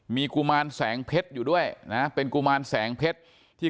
มีกุมารแสงเพชรอยู่ด้วยนะเป็นกุมารแสงเพชรที่